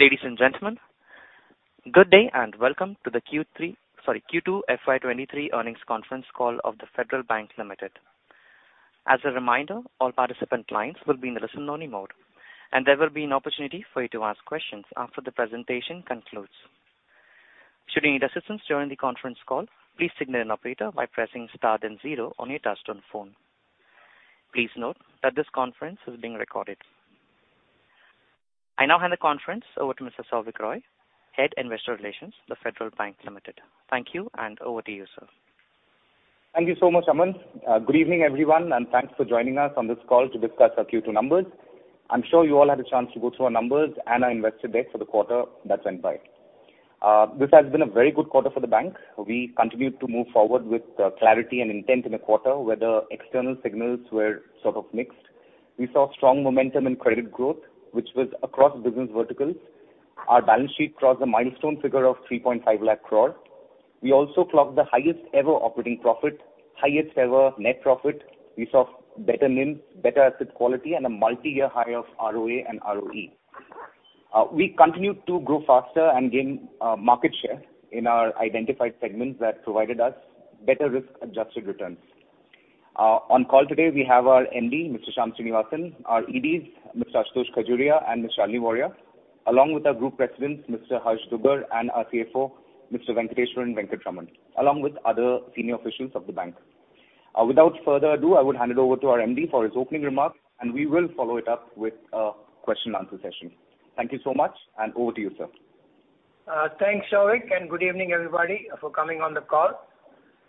Ladies and gentlemen, good day, and welcome to the Q2 FY 2023 earnings conference call of The Federal Bank Limited. As a reminder, all participant lines will be in listen-only mode, and there will be an opportunity for you to ask questions after the presentation concludes. Should you need assistance during the conference call, please signal an operator by pressing star then zero on your touchtone phone. Please note that this conference is being recorded. I now hand the conference over to Mr. Souvik Roy, Head, Investor Relations, The Federal Bank Limited. Thank you, and over to you, sir. Thank you so much, Aman. Good evening, everyone, and thanks for joining us on this call to discuss our Q2 numbers. I'm sure you all had a chance to go through our numbers and our investor deck for the quarter that went by. This has been a very good quarter for the bank. We continued to move forward with clarity and intent in a quarter where the external signals were sort of mixed. We saw strong momentum in credit growth, which was across business verticals. Our balance sheet crossed the milestone figure of 3.5 lakh crore. We also clocked the highest ever operating profit, highest ever net profit. We saw better NIMs, better asset quality, and a multi-year high of ROA and ROE. We continued to grow faster and gain market share in our identified segments that provided us better risk-adjusted returns. On call today, we have our MD, Mr. Shyam Srinivasan, our EDs, Mr. Ashutosh Khajuria and Ms. Shalini Warrier, along with our Group Presidents, Mr. Harsh Dugar, and our CFO, Mr. Venkatraman Venkateswaran, along with other senior officials of the bank. Without further ado, I would hand it over to our MD for his opening remarks, and we will follow it up with a question and answer session. Thank you so much, and over to you, sir. Thanks, Souvik, and good evening, everybody, for coming on the call.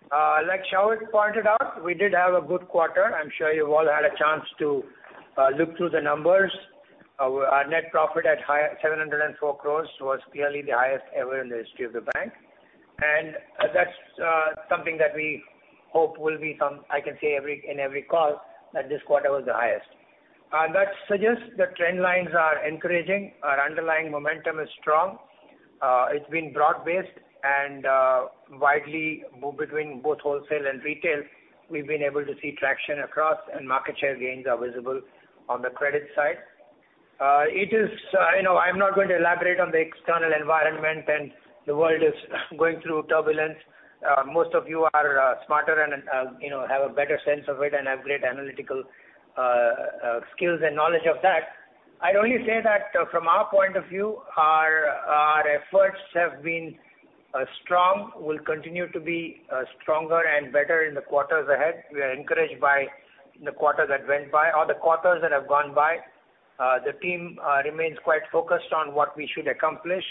Like Souvik pointed out, we did have a good quarter. I'm sure you've all had a chance to look through the numbers. Our net profit at 704 crores was clearly the highest ever in the history of the bank. That's something that we hope will be, I can say, in every call, that this quarter was the highest. That suggests the trend lines are encouraging. Our underlying momentum is strong. It's been broad-based and widely between both wholesale and retail. We've been able to see traction across, and market share gains are visible on the credit side. It is, you know, I'm not going to elaborate on the external environment and the world is going through turbulence. Most of you are smarter and you know have a better sense of it and have great analytical skills and knowledge of that. I'd only say that from our point of view, our efforts have been strong. We'll continue to be stronger and better in the quarters ahead. We are encouraged by the quarter that went by or the quarters that have gone by. The team remains quite focused on what we should accomplish.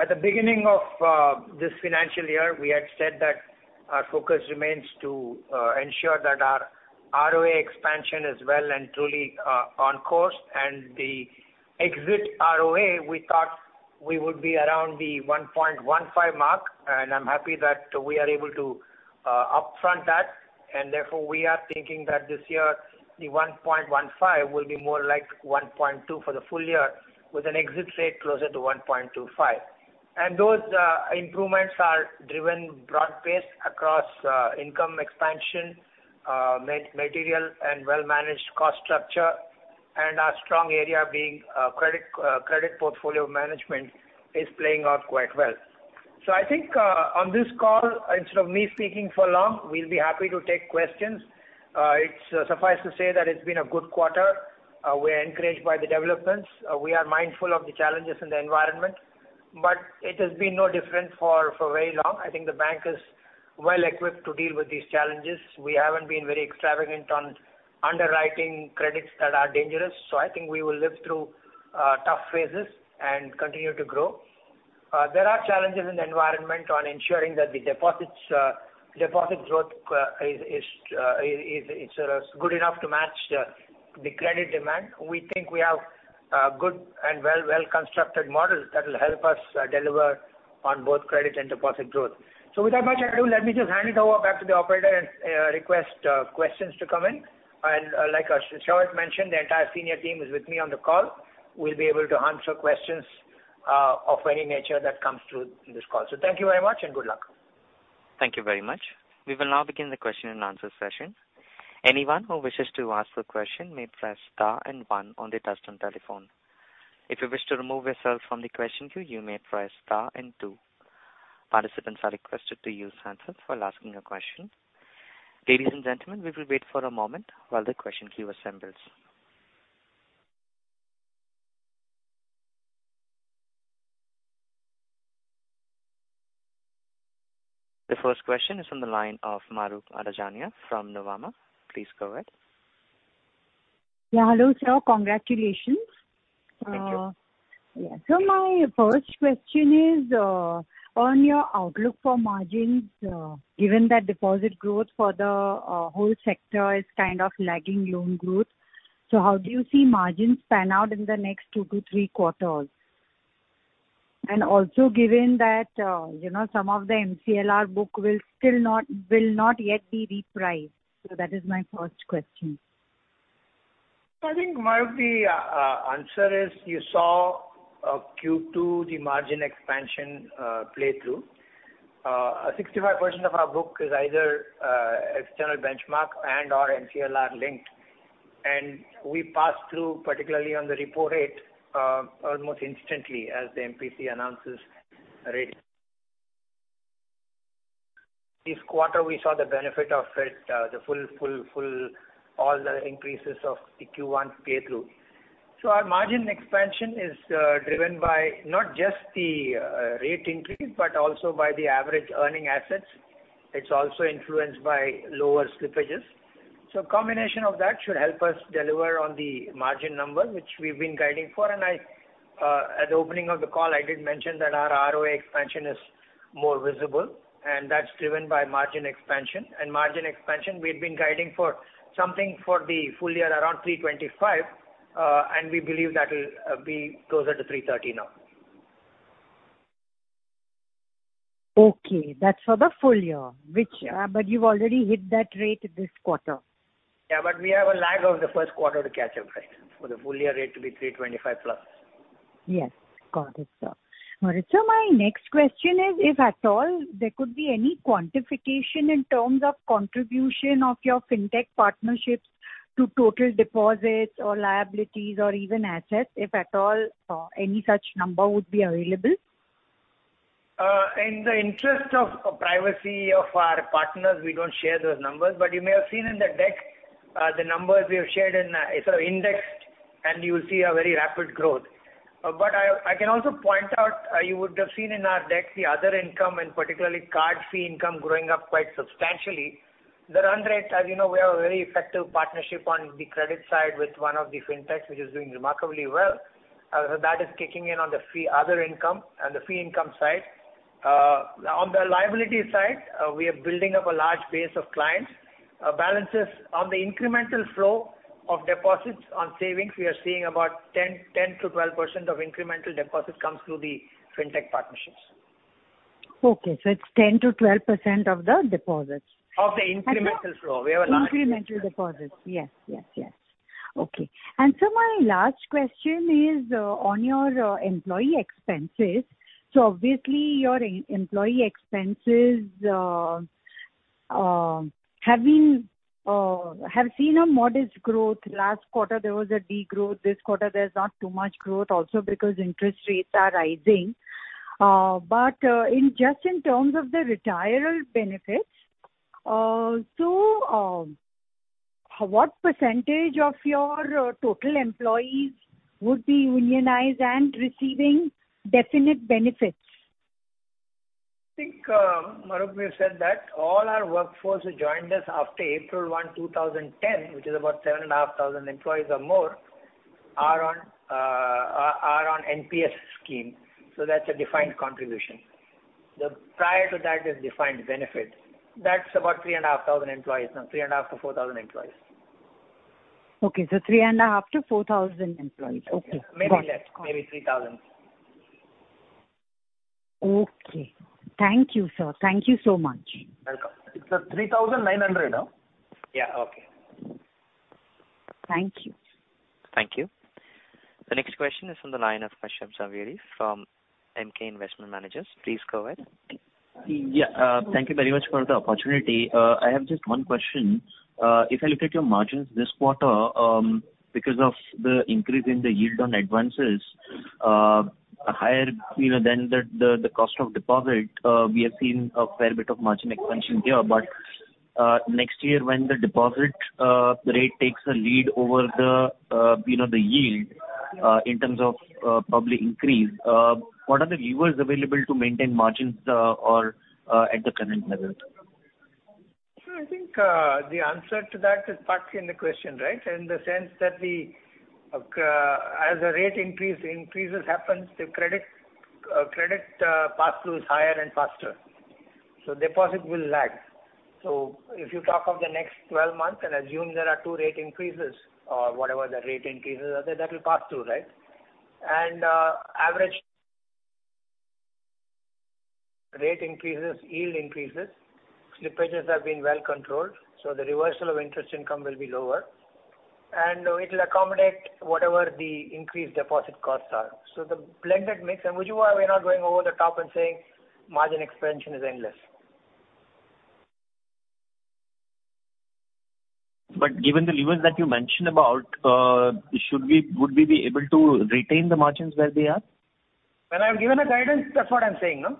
At the beginning of this financial year, we had said that our focus remains to ensure that our ROA expansion is well and truly on course and the exit ROA, we thought we would be around the 1.15 mark, and I'm happy that we are able to upfront that. Therefore, we are thinking that this year, the 1.15% will be more like 1.2% for the full-year with an exit rate closer to 1.25%. Those improvements are driven broad-based across income expansion, material and well-managed cost structure, and our strong area being credit portfolio management is playing out quite well. I think on this call, instead of me speaking for long, we'll be happy to take questions. It suffices to say that it's been a good quarter. We're encouraged by the developments. We are mindful of the challenges in the environment, but it has been no different for very long. I think the bank is well equipped to deal with these challenges. We haven't been very extravagant on underwriting credits that are dangerous. I think we will live through tough phases and continue to grow. There are challenges in the environment on ensuring that the deposits, deposit growth, is good enough to match the credit demand. We think we have a good and well-constructed models that will help us deliver on both credit and deposit growth. Without much ado, let me just hand it over back to the operator and request questions to come in. Like Souvik mentioned, the entire senior team is with me on the call. We'll be able to answer questions of any nature that comes through in this call. Thank you very much and good luck. Thank you very much. We will now begin the question and answer session. Anyone who wishes to ask a question may press star and one on their touchtone telephone. If you wish to remove yourself from the question queue, you may press star and two. Participants are requested to use handsets while asking a question. Ladies and gentlemen, we will wait for a moment while the question queue assembles. The first question is on the line of Mahrukh Adajania from Nuvama. Please go ahead. Yeah, hello, sir. Congratulations. Thank you. My first question is on your outlook for margins, given that deposit growth for the whole sector is kind of lagging loan growth. How do you see margins pan out in the next two to three quarters? Given that, you know, some of the MCLR book will not yet be repriced. That is my first question. I think, Mahrukh, the answer is you saw Q2, the margin expansion play through. 65% of our book is either external benchmark and/or MCLR-linked. We pass through, particularly on the repo rate, almost instantly as the MPC announces rate. This quarter, we saw the benefit of it, the full all the increases of the Q1 pass through. Our margin expansion is driven by not just the rate increase, but also by the average earning assets. It's also influenced by lower slippages. Combination of that should help us deliver on the margin number, which we've been guiding for. I at the opening of the call did mention that our ROA expansion is more visible, and that's driven by margin expansion. Margin expansion, we've been guiding for something for the full-year around 3.25%, and we believe that'll be closer to 3.30% now. Okay. That's for the full-year, which, but you've already hit that rate this quarter. Yeah, we have a lag of the first quarter to catch up, right, for the full-year rate to be 3.25%+. Yes. Got it, sir. Well, my next question is, if at all there could be any quantification in terms of contribution of your fintech partnerships to total deposits or liabilities or even assets, if at all, any such number would be available? In the interest of privacy of our partners, we don't share those numbers. You may have seen in the deck, the numbers we have shared in, it's indexed and you will see a very rapid growth. I can also point out, you would have seen in our deck the other income and particularly card fee income growing up quite substantially. The run rate, as you know, we have a very effective partnership on the credit side with one of the fintechs, which is doing remarkably well. That is kicking in on the fee other income and the fee income side. On the liability side, we are building up a large base of clients. Balances on the incremental flow of deposits on savings, we are seeing about 10%-12% of incremental deposits comes through the fintech partnerships. It's 10%-12% of the deposits. Of the incremental flow. We have a large. Incremental deposits. Yes. Yes. Yes. Okay. My last question is on your employee expenses. Obviously your employee expenses have seen a modest growth. Last quarter there was a degrowth. This quarter there's not too much growth also because interest rates are rising. But in terms of the retirement benefits, what percentage of your total employees would be unionized and receiving defined benefits? I think, Mahrukh may have said that all our workforce who joined us after April 1, 2010, which is about 7,500 employees or more, are on NPS scheme, so that's a defined contribution. Those prior to that is defined benefit. That's about 3,500 employees. Now 3,500-4,000 employees. Okay. 3,500-4,000 employees. Okay. Maybe less. Maybe 3,000. Okay. Thank you, sir. Thank you so much. Welcome. It's 3,900, no? Yeah. Okay. Thank you. Thank you. The next question is from the line of Kashyap Javeri from MK Investment Managers. Please go ahead. Thank you very much for the opportunity. I have just one question. If I look at your margins this quarter, because of the increase in the yield on advances, higher, you know, than the cost of deposit, we have seen a fair bit of margin expansion here. Next year when the deposit rate takes a lead over the, you know, the yield, in terms of probably increase, what are the levers available to maintain margins or at the current level? I think the answer to that is partly in the question, right? In the sense that as the rate increase happens, the credit pass-through is higher and faster, so deposit will lag. If you talk of the next 12 months and assume there are two rate increases or whatever the rate increases are, then that will pass through, right? Average rate increases, yield increases. Slippages have been well controlled, so the reversal of interest income will be lower. It'll accommodate whatever the increased deposit costs are. The blended mix, and which is why we're not going over the top and saying margin expansion is endless. Given the levers that you mentioned about, would we be able to retain the margins where they are? Well, I've given a guidance. That's what I'm saying, no?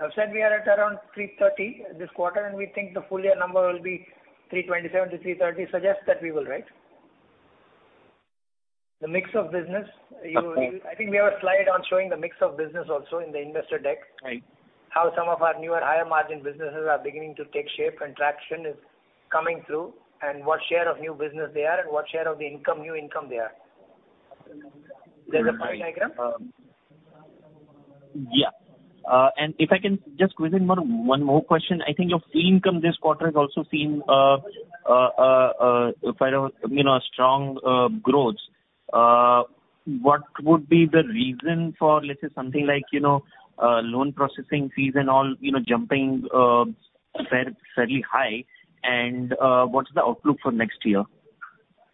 I've said we are at around 3.30% this quarter, and we think the full-year number will be 3.27%-3.30%. Suggest that we will, right. The mix of business, you- Okay. I think we have a slide on showing the mix of business also in the investor deck. Right. How some of our newer higher margin businesses are beginning to take shape and traction is coming through and what share of new business they are and what share of the income, new income they are. There's a pie diagram. Yeah. If I can just squeeze in one more question. I think your fee income this quarter has also seen fairly strong growth. What would be the reason for, let's say something like, you know, loan processing fees and all, you know, jumping fairly high and what is the outlook for next year?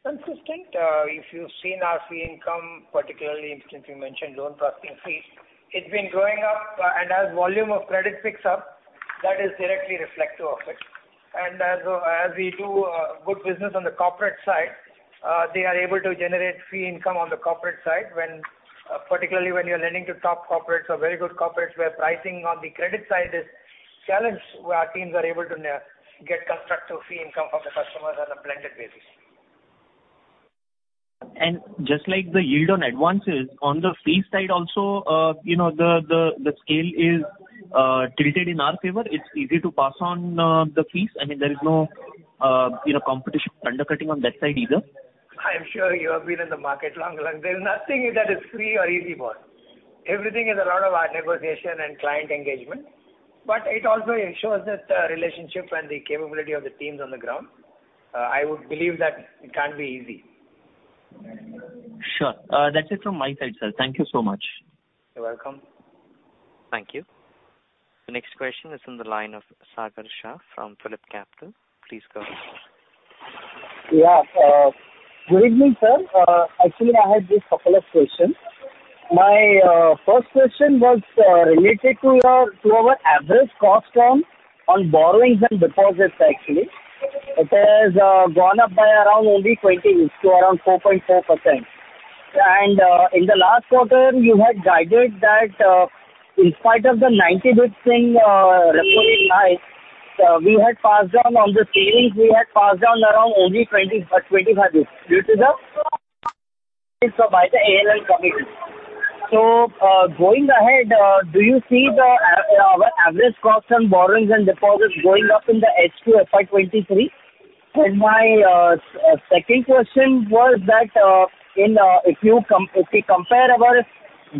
Consistent. If you've seen our fee income, particularly since you mentioned loan processing fees, it's been growing up. As volume of credit picks up, that is directly reflective of it. As we do good business on the corporate side, they are able to generate fee income on the corporate side when particularly when you're lending to top corporates or very good corporates, where pricing on the credit side is challenged, where our teams are able to get constructive fee income from the customers on a blended basis. Just like the yield on advances, on the fee side also, you know, the scale is tilted in our favor. It's easy to pass on the fees. I mean, there is no, you know, competition undercutting on that side either. I'm sure you have been in the market long enough. There's nothing that is free or easy, Kashyap Javeri. Everything is a lot of our negotiation and client engagement, but it also ensures that the relationship and the capability of the teams on the ground. I would believe that it can't be easy. Sure. That's it from my side, sir. Thank you so much. You're welcome. Thank you. The next question is on the line of Sagar Shah from PhillipCapital. Please go ahead. Yeah. Good evening, sir. Actually, I have just couple of questions. My first question was related to your, to our average cost on borrowings and deposits, actually. It has gone up by around only 20 to around 4.4%. In the last quarter, you had guided that, in spite of the 90 basis points repo rate hike, we had passed down on the savings around only 20-25 basis points due to the ALM committee. Going ahead, do you see our average cost on borrowings and deposits going up in the H2 FY 2023? My second question was that if we compare our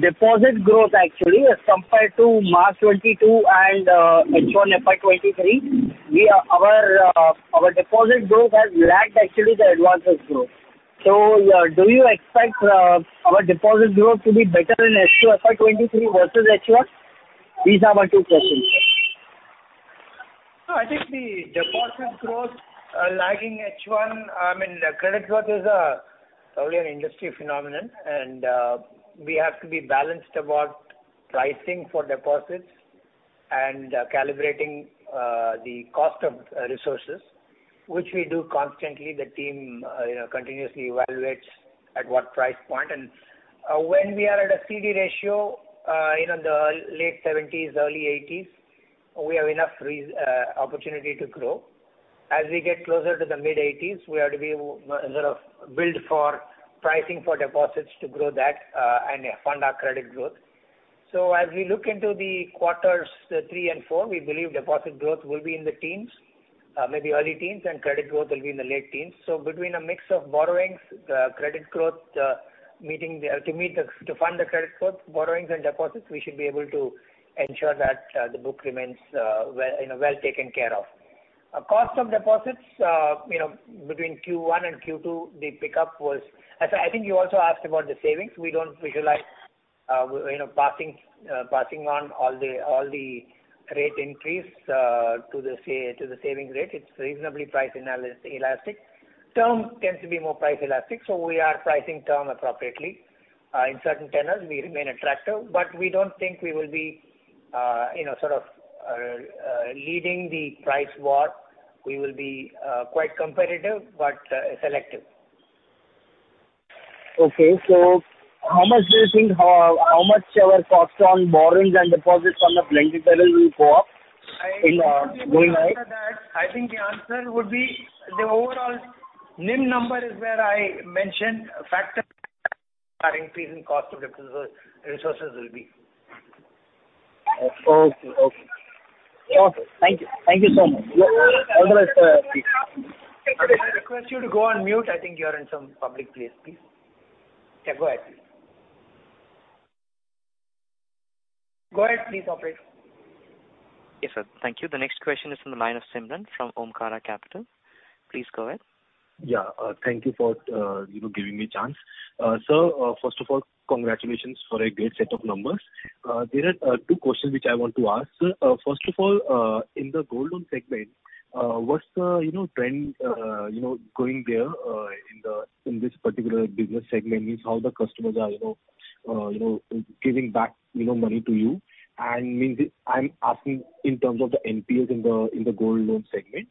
deposit growth actually, as compared to March 2022 and H1 FY 2023, our deposit growth has lagged actually the advances growth. Do you expect our deposit growth to be better in H2 FY 2023 versus H1? These are my two questions. No, I think the deposit growth, lagging H1, I mean, credit growth is, probably an industry phenomenon. We have to be balanced about pricing for deposits and calibrating, the cost of resources, which we do constantly. The team, you know, continuously evaluates at what price point. When we are at a CD ratio, you know, in the late 70s, early 80s, we have enough opportunity to grow. As we get closer to the mid-80s, we have to be sort of build for pricing for deposits to grow that, and fund our credit growth. As we look into quarters three and four, we believe deposit growth will be in the teens, maybe early teens, and credit growth will be in the late teens. Between a mix of borrowings, the credit growth, to fund the credit growth, borrowings and deposits, we should be able to ensure that the book remains, well, you know, well taken care of. Our cost of deposits, you know, between Q1 and Q2, the pickup was. I think you also asked about the savings. We realize passing on all the rate increase to the savings rate. It's reasonably price elastic. Term tends to be more price elastic, so we are pricing term appropriately. In certain tenors, we remain attractive, but we don't think we will be, you know, sort of leading the price war. We will be quite competitive but selective. How much do you think our cost of borrowings and deposits on a blended basis will go up in going ahead? I think the answer would be the overall NIM number, as I mentioned, factors are increasing cost of resources will be. Okay. Thank you so much. Could I request you to go on mute? I think you're in some public place, please. Yeah, go ahead, please. Go ahead, please, operator. Yes, sir. Thank you. The next question is from the line of Simran from Omkara Capital. Please go ahead. Yeah. Thank you for, you know, giving me a chance. Sir, first of all, congratulations for a great set of numbers. There are two questions which I want to ask. First of all, in the gold loan segment, what's the, you know, trend, you know, going there, in this particular business segment? Means how the customers are, you know, giving back, you know, money to you. I'm asking in terms of the NPLs in the gold loan segment.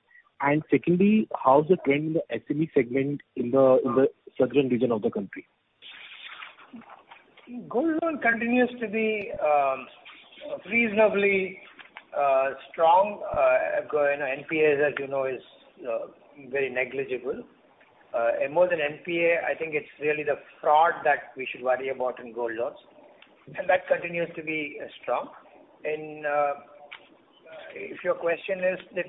Secondly, how is the trend in the SME segment in the southern region of the country? Gold loan continues to be reasonably strong. You know, NPA, as you know, is very negligible. More than NPA, I think it's really the fraud that we should worry about in gold loans, and that continues to be strong. If your question is that,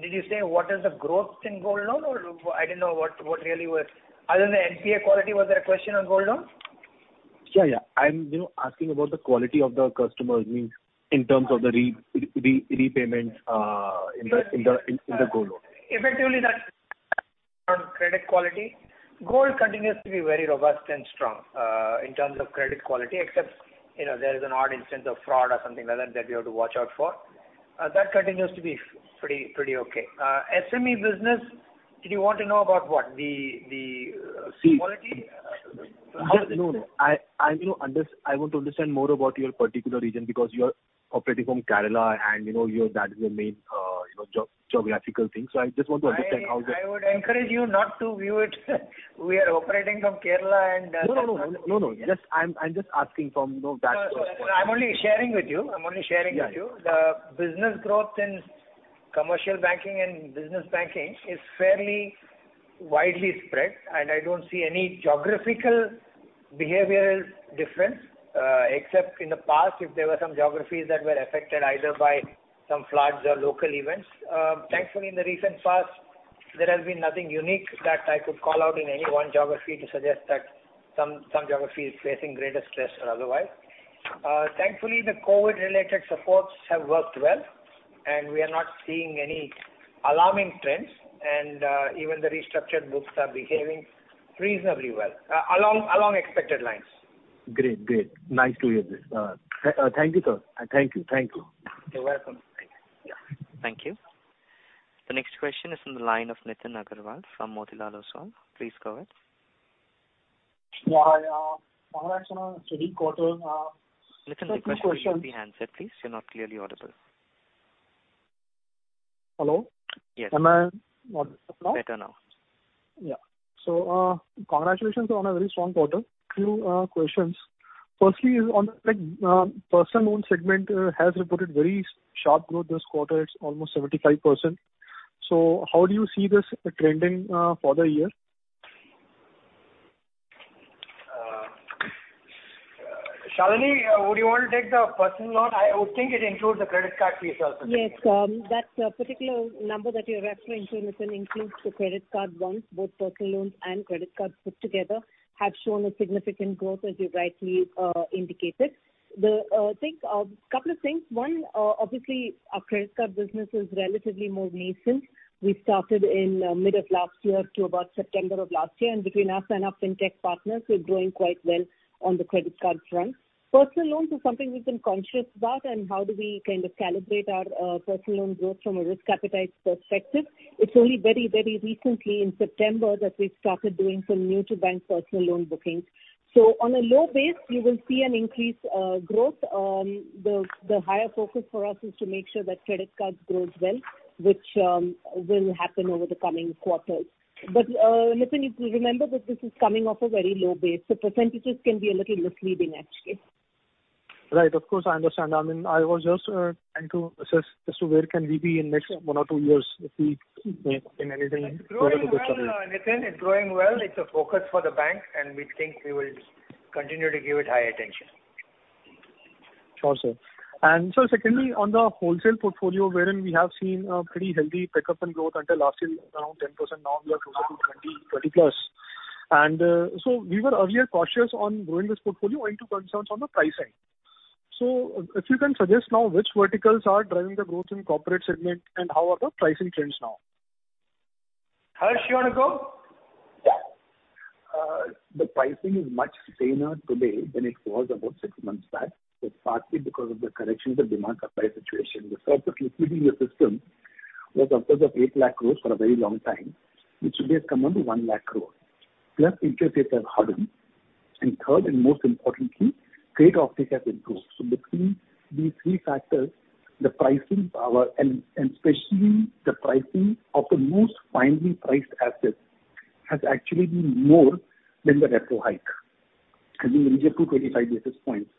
did you say what is the growth in gold loan or I didn't know what really was? Other than NPA quality, was there a question on gold loan? I'm, you know, asking about the quality of the customers, means in terms of the repayments in the gold loan. Effectively, that's on credit quality. Gold continues to be very robust and strong in terms of credit quality, except, you know, there is an odd instance of fraud or something like that we have to watch out for. That continues to be pretty okay. SME business, did you want to know about what? The quality? No, no. I you know I want to understand more about your particular region because you are operating from Kerala and, you know, your, that is your main you know geographical thing. I just want to understand how the- I would encourage you not to view it. We are operating from Kerala and No, no. Just, I'm just asking from, you know, that perspective. I'm only sharing with you. Yeah. The business growth in commercial banking and business banking is fairly widely spread, and I don't see any geographical behavioral difference, except in the past if there were some geographies that were affected either by some floods or local events. Thankfully in the recent past there has been nothing unique that I could call out in any one geography to suggest that some geography is facing greater stress or otherwise. Thankfully the COVID related supports have worked well, and we are not seeing any alarming trends and even the restructured books are behaving reasonably well, along expected lines. Great. Nice to hear this. Thank you, sir. Thank you. You're welcome. Thank you. Thank you. The next question is from the line of Nitin Aggarwal from Motilal Oswal. Please go ahead. Hi, congratulations on a very good quarter. Nitin, the question through the handset, please. You're not clearly audible. Hello? Yes. Am I audible now? Better now. Yeah. Congratulations on a very strong quarter. Few questions. Firstly is on like, personal loan segment, has reported very sharp growth this quarter. It's almost 75%. How do you see this trending for the year? Shalini, would you want to take the personal loan? I would think it includes the credit card piece also. Yes. That particular number that you're referring to, Nitin, includes the credit card ones. Both personal loans and credit cards put together have shown a significant growth as you rightly indicated. A couple of things. One, obviously our credit card business is relatively more nascent. We started in mid of last year to about September of last year, and between us and our fintech partners, we're growing quite well on the credit card front. Personal loans is something we've been conscious about and how do we kind of calibrate our personal loan growth from a risk appetite perspective. It's only very, very recently in September that we started doing some new to bank personal loan bookings. So on a low base you will see an increased growth. The higher focus for us is to make sure that credit cards grows well, which will happen over the coming quarters. Nitin, if you remember that this is coming off a very low base, so percentages can be a little misleading actually. Right. Of course, I understand. I mean, I was just trying to assess as to where can we be in next one or two years if we make in anything, whatever the case are. It's growing well, Nitin. It's growing well. It's a focus for the bank, and we think we will continue to give it high attention. Sure, sir. Sir, secondly, on the wholesale portfolio wherein we have seen a pretty healthy pickup in growth until last year around 10%. Now we are closer to 20+. We were earlier cautious on growing this portfolio due to concerns on the pricing. If you can suggest now which verticals are driving the growth in corporate segment and how are the pricing trends now? Harsh, you wanna go? Yeah, the pricing is much saner today than it was about six months back. It's partly because of the correction of the demand supply situation. The surplus liquidity in the system was of course 8 lakh crore for a very long time, which today has come down to 1 lakh crore, plus interest rates have hardened. Third and most importantly, the optics has improved. Between these three factors, the pricing power and especially the pricing of the most finely priced assets has actually been more than the repo hike in the range of 2-25 basis points.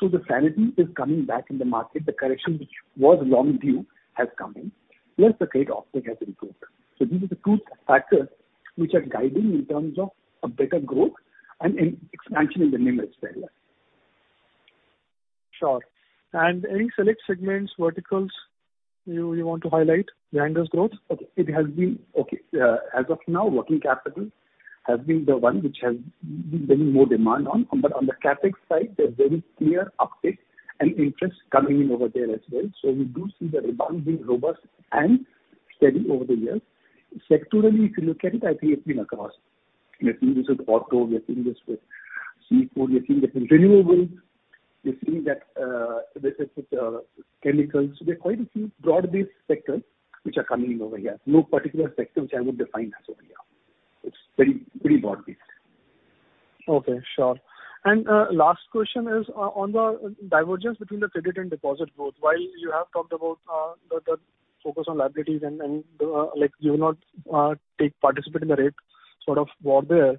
The sanity is coming back in the market. The correction which was long due has come in, plus the optics has improved. These are the two factors which are guiding in terms of a better growth and an expansion in the limits there as well. Sure. Any select segments, verticals you want to highlight the highest growth? As of now, working capital has been the one which has been more in demand, but on the CapEx side there's very clear uptick and interest coming in over there as well. We do see the rebound being robust and steady over the years. Sectorally, if you look at it, I think it's been across. We are seeing this with auto, we are seeing this with CV, we are seeing it with renewables, we are seeing that this is with chemicals. There are quite a few broad-based sectors which are coming in over here. No particular sector which I would define as of now. It's very pretty broad-based. Okay. Sure. Last question is on the divergence between the credit and deposit growth. While you have talked about the focus on liabilities and like you will not participate in the rate war there,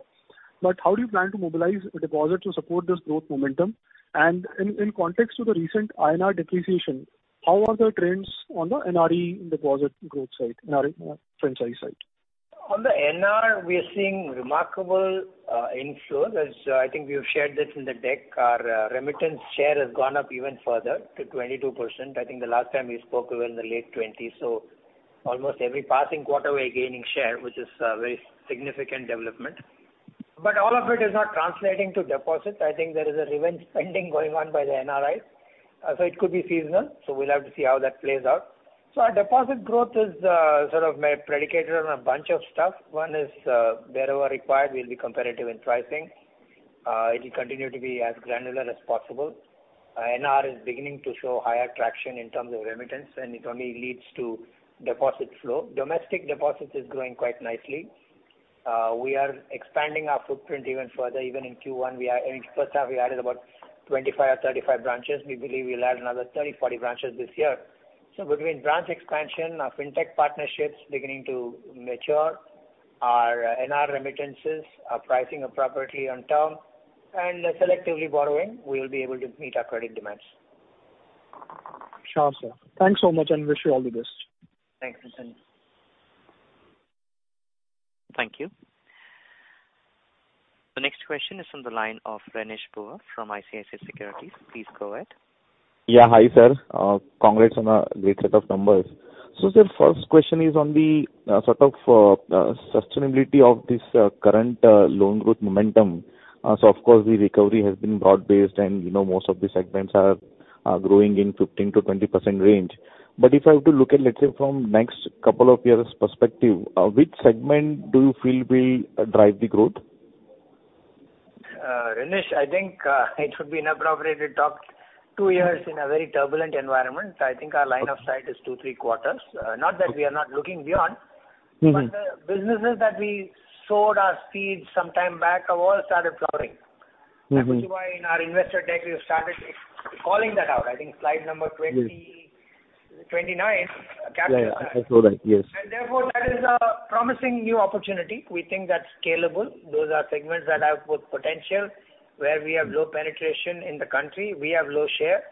but how do you plan to mobilize the deposit to support this growth momentum? In context to the recent INR depreciation, how are the trends on the NRE deposit growth side, NRE franchise side? On the NR, we are seeing remarkable inflow. That's, I think we have shared this in the deck. Our remittance share has gone up even further to 22%. I think the last time we spoke it was in the late 20s. Almost every passing quarter we're gaining share, which is a very significant development. All of it is not translating to deposits. I think there is a revenge spending going on by the NRIs, so it could be seasonal, so we'll have to see how that plays out. Our deposit growth is sort of predicated on a bunch of stuff. One is, wherever required, we'll be competitive in pricing. It will continue to be as granular as possible. NR is beginning to show higher traction in terms of remittance, and it only leads to deposit flow. Domestic deposits is growing quite nicely. We are expanding our footprint even further. Even in Q1, first half, we added about 25 or 35 branches. We believe we'll add another 30, 40 branches this year. Between branch expansion, our fintech partnerships beginning to mature, our NR remittances are pricing appropriately on term and selectively borrowing, we will be able to meet our credit demands. Sure, sir. Thanks so much, and wish you all the best. Thanks, Nitin. Thank you. The next question is from the line of Renish Bhuva from ICICI Securities. Please go ahead. Yeah. Hi, sir. Congrats on a great set of numbers. Sir, first question is on the sort of sustainability of this current loan growth momentum. Of course, the recovery has been broad-based, and, you know, most of the segments are growing in 15%-20% range. If I have to look at, let's say, from next couple of years perspective, which segment do you feel will drive the growth? Renish, I think it would be inappropriate to talk two years in a very turbulent environment. I think our line of sight is two to three quarters. Not that we are not looking beyond. Mm-hmm. The businesses that we sowed our seeds some time back have all started flowering. Mm-hmm. That is why in our investor deck, we have started calling that out. I think slide number 20- Yes. 29 captures that. Yeah, yeah. I saw that. Yes. Therefore, that is a promising new opportunity. We think that's scalable. Those are segments that have both potential, where we have low penetration in the country. We have low share.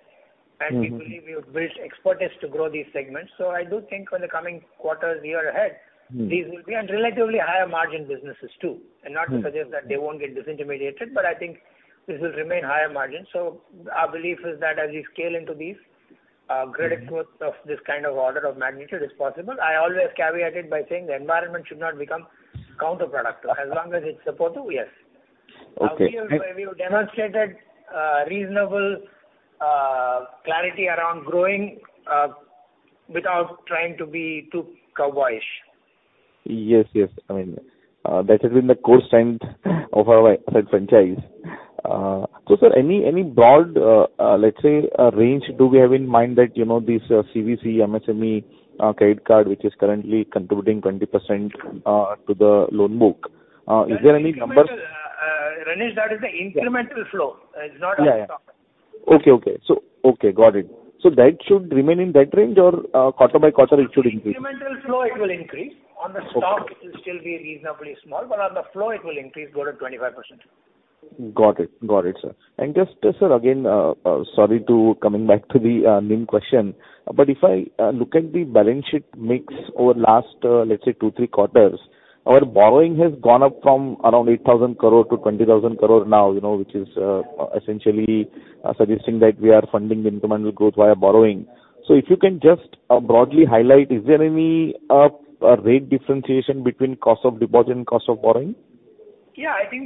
Mm-hmm. We believe we have built expertise to grow these segments. I do think in the coming quarters, year ahead. Mm. These will be on relatively higher margin businesses too. Mm. Not to suggest that they won't get disintermediated, but I think this will remain higher margin. Our belief is that as we scale into these, credit growth- Mm. Of this kind of order of magnitude is possible. I always caveat it by saying the environment should not become counterproductive. As long as it's supportive, yes. Okay. We have demonstrated reasonable clarity around growing without trying to be too cowboyish. Yes, yes. I mean, that has been the core strength of our, I'd say, franchise. Sir, any broad, let's say, range do we have in mind that, you know, this CV, MSME, credit card, which is currently contributing 20% to the loan book, is there any number? Renish Bhuva, that is the incremental flow. Yeah. It's not our stock. Yeah. Okay. Got it. That should remain in that range or quarter by quarter it should increase? Incremental flow, it will increase. Okay. On the stock, it will still be reasonably small, but on the flow it will increase, go to 25%. Got it, sir. Just, sir, again, sorry to coming back to the NIM question, but if I look at the balance sheet mix over last two to three quarters, our borrowing has gone up from around 8,000 crore to 20,000 crore now, you know, which is essentially suggesting that we are funding the incremental growth via borrowing. If you can just broadly highlight, is there any rate differentiation between cost of deposit and cost of borrowing? Yeah. I think,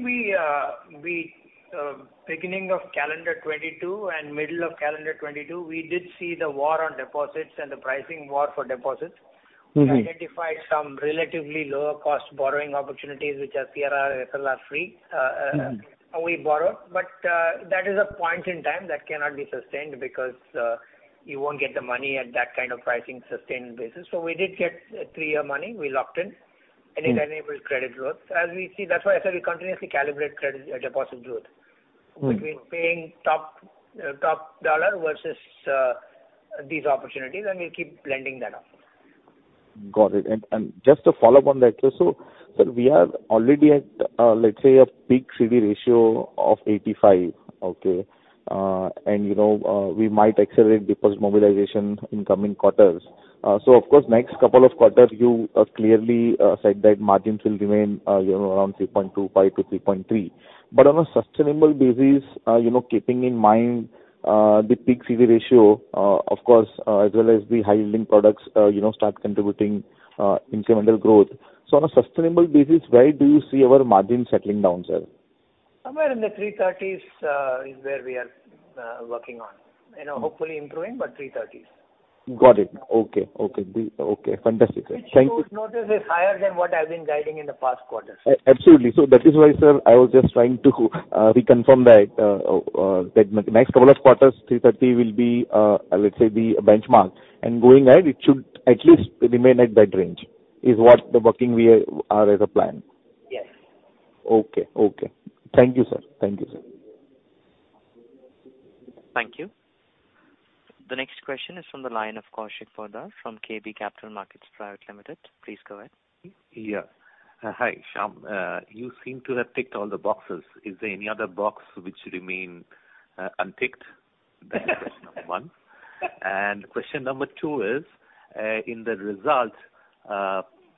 beginning of calendar 2022 and middle of calendar 2022, we did see the war on deposits and the pricing war for deposits. Mm-hmm. We identified some relatively lower cost borrowing opportunities, which are CRR, SLR free. Mm-hmm. That is a point in time that cannot be sustained because you won't get the money at that kind of pricing sustained basis. We did get three-year money. We locked in. Mm. It enabled credit growth. As we see, that's why I said we continuously calibrate credit, deposit growth. Mm-hmm. between paying top dollar versus these opportunities, and we keep blending that up. Got it. Just to follow up on that, sir, we are already at, let's say a peak CD ratio of 85, okay? You know, we might accelerate deposit mobilization in coming quarters. Of course, next couple of quarters, you clearly said that margins will remain, you know, around 3.25%-3.3%. On a sustainable basis, you know, keeping in mind, the peak CD ratio, of course, as well as the high-yielding products, you know, start contributing, incremental growth. On a sustainable basis, where do you see our margin settling down, sir? Somewhere in the three thirties is where we are working on. You know, hopefully improving, but three thirties. Got it. Okay, fantastic, sir. Thank you. Which you would notice is higher than what I've been guiding in the past quarters. Absolutely. That is why, sir, I was just trying to reconfirm that next couple of quarters, 3.30% will be, let's say, the benchmark. Going ahead, it should at least remain at that range, is what we're working as a plan. Yes. Okay. Thank you, sir. Thank you. The next question is from the line of Kaushik Poddar from KB Capital Markets Pvt. Ltd. Please go ahead. Yeah. Hi, Shyam. You seem to have ticked all the boxes. Is there any other box which remain unticked? That's question number one. Question number two is, in the result,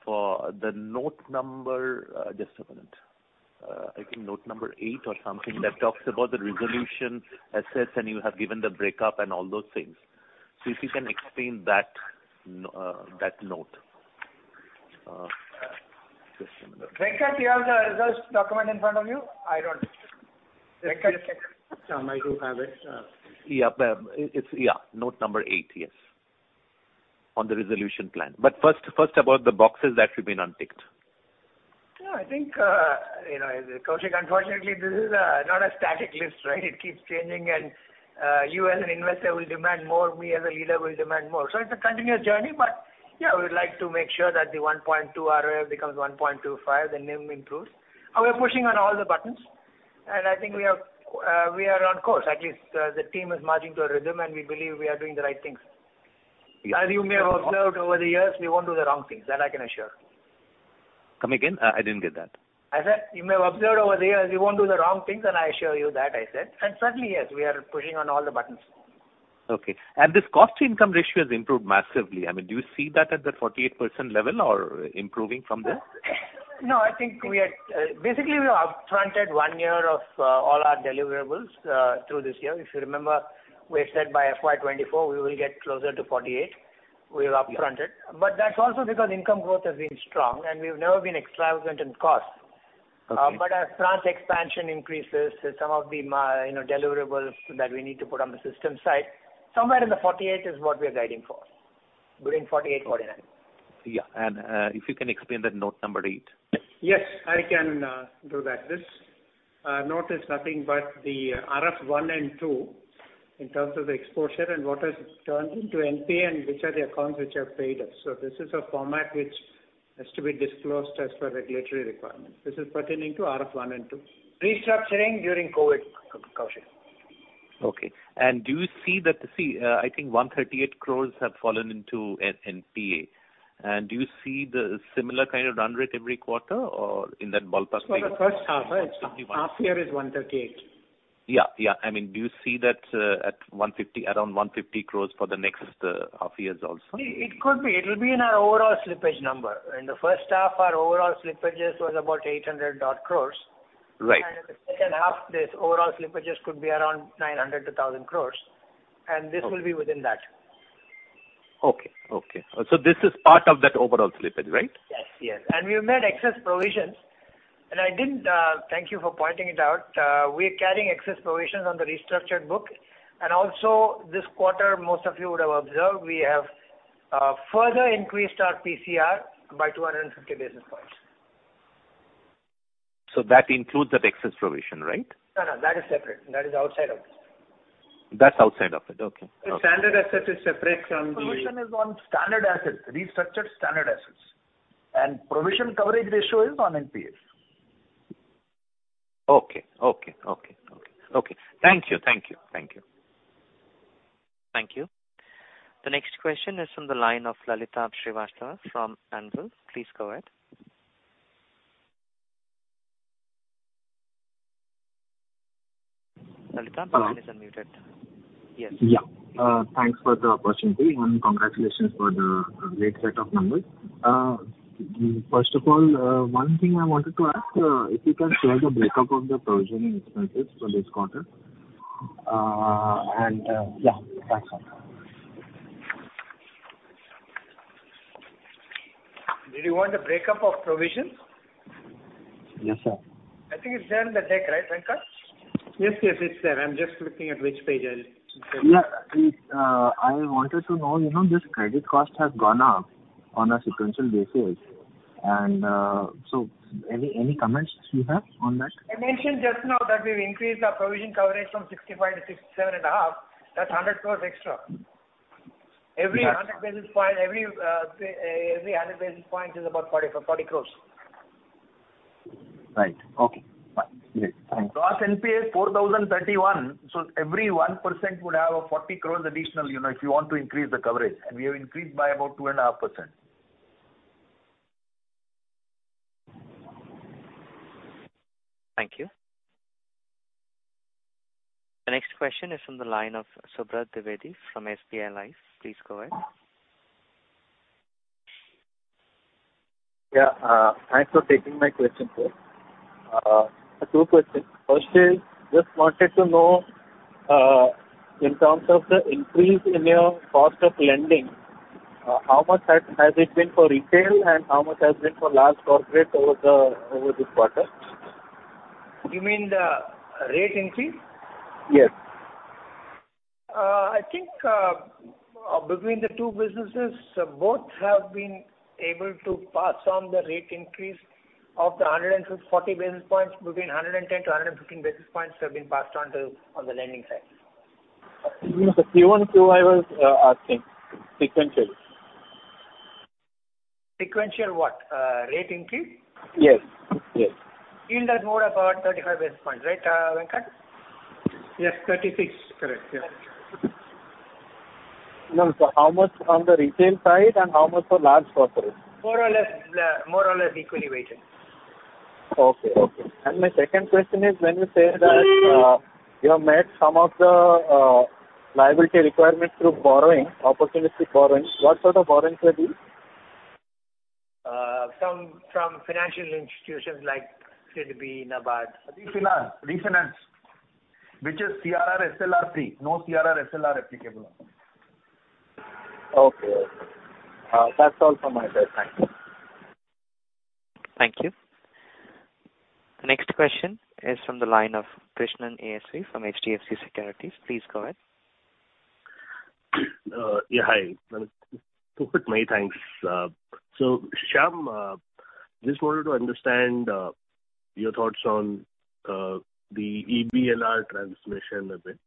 for the note number, just a minute. I think note number eight or something that talks about the resolution assets, and you have given the breakup and all those things. If you can explain that note. Just a minute. Venkat, do you have the results document in front of you? I don't. Venkat? Shyam, I do have it. It's note number eight. Yes. On the resolution plan. First, about the boxes that should be non-ticked. Yeah, I think, you know, Kaushik, unfortunately this is not a static list, right? It keeps changing, and you as an investor will demand more, we as a leader will demand more. It's a continuous journey, but yeah, we would like to make sure that the 1.2% ROA becomes 1.25%, the NIM improves. We're pushing on all the buttons and I think we are on course, at least, the team is marching to a rhythm and we believe we are doing the right things. As you may have observed over the years, we won't do the wrong things, that I can assure. Come again. I didn't get that. I said you may have observed over the years, we won't do the wrong things, and I assure you that, I said. Certainly, yes, we are pushing on all the buttons. Okay. This cost to income ratio has improved massively. I mean, do you see that at the 48% level or improving from there? No, I think we are basically up-fronted one year of all our deliverables through this year. If you remember, we said by FY 2024 we will get closer to 48. We are up-fronted. That's also because income growth has been strong and we've never been extravagant in cost. Okay. As branch expansion increases, some of the you know, deliverables that we need to put on the system side, somewhere in the 48 is what we are guiding for. Between 48, 49. Yeah. If you can explain the note number eight? Yes, I can do that. This note is nothing but the RF one and two in terms of the exposure and what is turned into NPA and which are the accounts which have paid us. This is a format which has to be disclosed as per regulatory requirements. This is pertaining to RF one and two. Restructuring during COVID, Kaushik. Do you see that I think 138 crore have fallen into NPA. Do you see the similar kind of run rate every quarter or in that ballpark figure? For the first half, right. Half year is 138. Yeah, yeah. I mean, do you see that, at 150, around 150 crores for the next half years also? It could be. It'll be in our overall slippage number. In the first half, our overall slippages was about 800-odd crores. Right. In the second half, this overall slippages could be around 900 crore-1,000 crore, and this will be within that. Okay. This is part of that overall slippage, right? Yes. We have made excess provisions. Thank you for pointing it out. We're carrying excess provisions on the restructured book. Also, this quarter, most of you would have observed, we have further increased our PCR by 250 basis points. that includes that excess provision, right? No, no. That is separate. That is outside of this. That's outside of it. Okay. Standard asset is separate from the. Provision is on standard assets, restructured standard assets. Provision coverage ratio is on NPAs. Okay. Thank you. Thank you. The next question is from the line of Lalitabh Shrivastawa from Angel. Please go ahead. Lalitabh, your line is unmuted. Yes. Yeah. Thanks for the opportunity and congratulations for the great set of numbers. First of all, one thing I wanted to ask, if you can share the break-up of the provisioning expenses for this quarter. Yeah. That's all. Did you want the breakup of provisions? Yes, sir. I think it's there in the deck, right, Venkat? Yes, yes. It's there. I'm just looking at which page I'll send you. Yeah. Please, I wanted to know, you know, this credit cost has gone up on a sequential basis and so any comments you have on that? I mentioned just now that we've increased our provision coverage from 65%-67.5%. That's 100 crore extra. Every 100 basis points is about 40 crore. Right. Okay. Great. Thank you. Gross NPA is 4,031 crores, so every 1% would have a 40 crores additional, you know, if you want to increase the coverage, and we have increased by about 2.5%. Thank you. The next question is from the line of Subrat Dwivedi from SBI Life. Please go ahead. Yeah. Thanks for taking my question, sir. Two questions. First is, just wanted to know, in terms of the increase in your cost of lending, how much has it been for retail and how much has been for large corporate over this quarter? You mean the rate increase? Yes. I think, between the two businesses, both have been able to pass on the rate increase. Of the 140 basis points, between 110 basis points-115 basis points have been passed on to on the lending side. No, the Q1 to Q4, I think, sequentially. Sequential what? Rate increase? Yes. Yes. In that mode about 35 basis points, right, Venkat? Yes, 36. Correct. Yes. No. How much on the retail side and how much for large corporate? More or less, more or less equally weighted. Okay. My second question is, when you say that, you have met some of the liability requirements through borrowing, opportunistic borrowings, what sort of borrowings were these? Some from financial institutions like SIDBI, NABARD. Refinance, which is CRR SLR free. No CRR SLR applicable. Okay. That's all from my side. Thank you. Thank you. Next question is from the line of Krishnan ASV from HDFC Securities. Please go ahead. Yeah. Hi. Man, many thanks. Shyam, just wanted to understand your thoughts on the EBLR transmission a bit.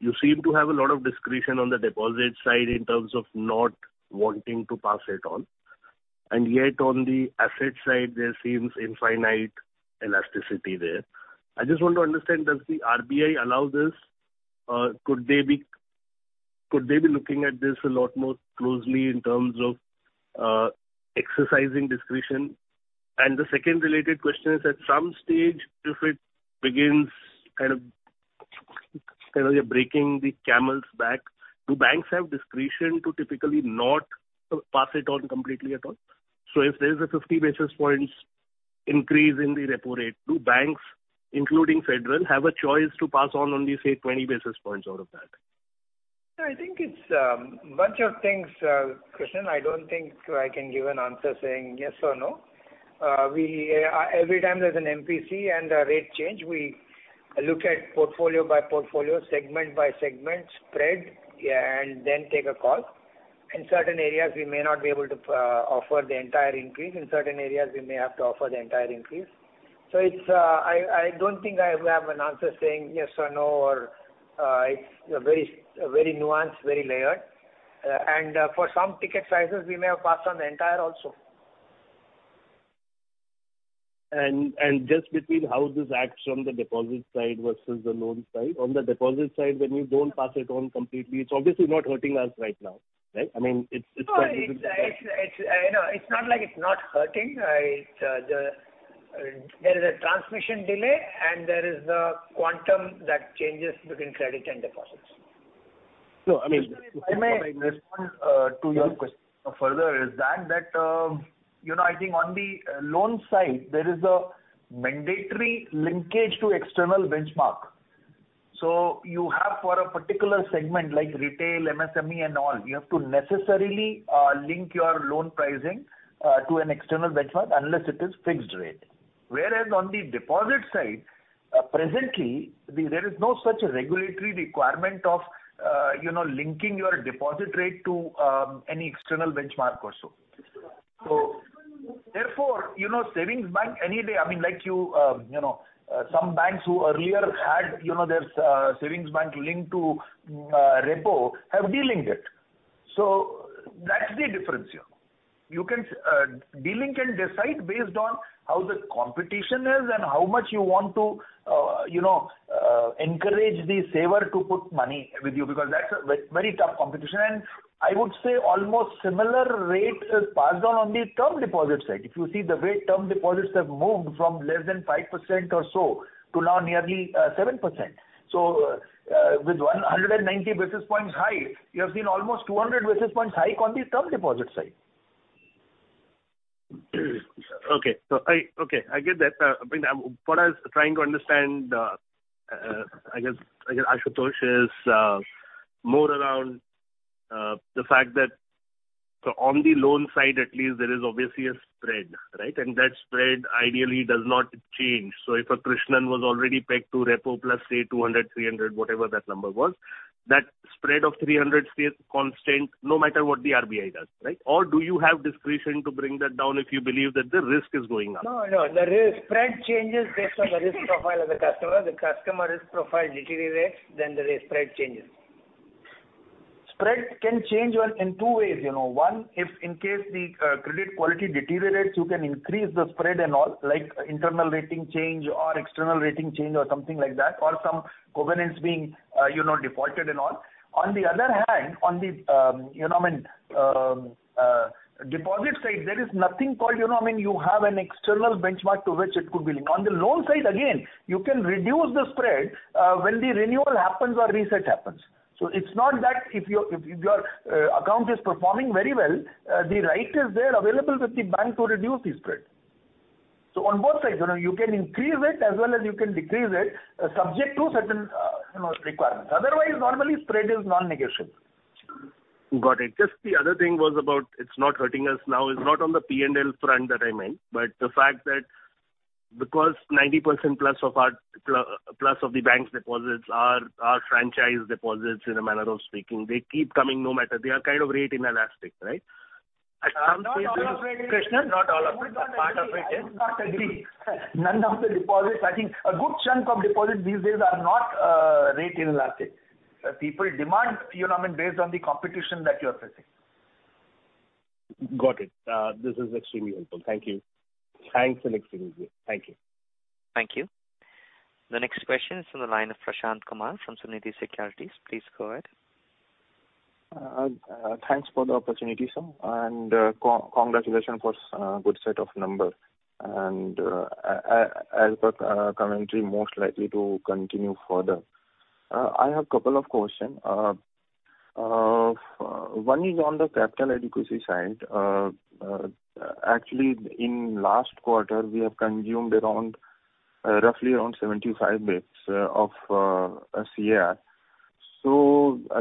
You seem to have a lot of discretion on the deposit side in terms of not wanting to pass it on. Yet on the asset side, there seems infinite elasticity there. I just want to understand, does the RBI allow this? Could they be looking at this a lot more closely in terms of exercising discretion? The second related question is, at some stage if it begins kind of you're breaking the camel's back, do banks have discretion to typically not pass it on completely at all? If there's a 50 basis points increase in the repo rate, do banks, including Federal, have a choice to pass on only, say, 20 basis points out of that? No, I think it's bunch of things, Krishnan. I don't think I can give an answer saying yes or no. Every time there's an MPC and a rate change, we look at portfolio by portfolio, segment by segment spread, yeah, and then take a call. In certain areas, we may not be able to offer the entire increase. In certain areas, we may have to offer the entire increase. I don't think I have an answer saying yes or no or it's very nuanced, very layered. For some ticket sizes, we may have passed on the entire also. Just between how this acts from the deposit side versus the loan side. On the deposit side, when you don't pass it on completely, it's obviously not hurting us right now, right? I mean, it's. No, it's, you know, it's not like it's not hurting. There is a transmission delay and there is a quantum that changes between credit and deposits. No, I mean. If I may respond to your question further is that you know, I think on the loan side there is a mandatory linkage to external benchmark. You have for a particular segment like retail, MSME and all, you have to necessarily link your loan pricing to an external benchmark unless it is fixed rate. Whereas on the deposit side, presently there is no such regulatory requirement of you know, linking your deposit rate to any external benchmark also. Therefore, you know, savings bank any day, I mean, like you know, some banks who earlier had you know, their savings bank linked to repo have delinked it. That's the difference here. You can delink and decide based on how the competition is and how much you want to, you know, encourage the saver to put money with you because that's a very tough competition. I would say almost similar rate is passed on the term deposit side. If you see the way term deposits have moved from less than 5% or so to now nearly 7%. With 190 basis points hike, you have seen almost 200 basis points hike on the term deposit side. Okay, I get that. I mean, what I was trying to understand, I guess, Ashutosh is more around the fact that on the loan side at least there is obviously a spread, right? That spread ideally does not change. If a Krishnan was already pegged to repo plus say 200, 300, whatever that number was, that spread of 300 stays constant no matter what the RBI does, right? Or do you have discretion to bring that down if you believe that the risk is going up? No. The spread changes based on the risk profile of the customer. The customer risk profile deteriorates, then the spread changes. Spread can change in two ways, you know. One, if the credit quality deteriorates, you can increase the spread and all like internal rating change or external rating change or something like that, or some covenants being, you know, defaulted and all. On the other hand, you know what I mean, deposit side, there is nothing called, you know what I mean, you have an external benchmark to which it could be linked. On the loan side again, you can reduce the spread when the renewal happens or reset happens. It's not that if your account is performing very well, the right is there available with the bank to reduce the spread. On both sides, you know, you can increase it as well as you can decrease it, subject to certain, you know, requirements. Otherwise, normally spread is non-negotiable. Got it. Just the other thing was about it's not hurting us now. It's not on the P&L front that I meant, but the fact that because 90% plus of the bank's deposits are franchise deposits in a manner of speaking. They keep coming no matter. They are kind of rate inelastic, right? At some stage. Not all of it. Krishnan, not all of it. Part of it is. None of the deposits. I think a good chunk of deposits these days are not rate inelastic. People demand, you know what I mean, based on the competition that you're facing. Got it. This is extremely helpful. Thank you. Thanks and extremely good. Thank you. Thank you. The next question is from the line of Prashant Kumar from Sunidhi Securities. Please go ahead. Thanks for the opportunity, sir, and congratulations for good set of numbers. As per commentary, most likely to continue further. I have couple of questions. One is on the capital adequacy side. Actually in last quarter, we have consumed around roughly 75 basis points of CRAR.